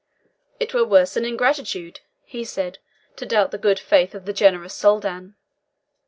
"It were worse than ingratitude," he said, "to doubt the good faith of the generous Soldan."